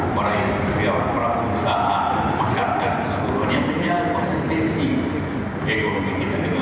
karena apabila dia investasi banyak